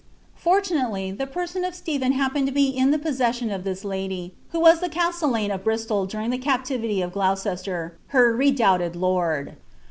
Fortunately, the person of StepbHi happened to be in the possession of this lady, who was the MgieUatne of Bristol during the captivity of Gloucester, her redoubted lord.